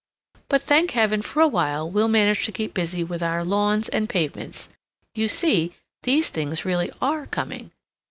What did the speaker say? but, thank heaven, for a while we'll manage to keep busy with our lawns and pavements! You see, these things really are coming!